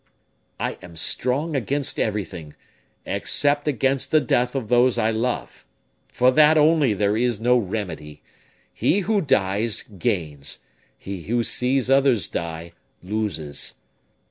"I am strong against everything, except against the death of those I love. For that only there is no remedy. He who dies, gains; he who sees others die, loses.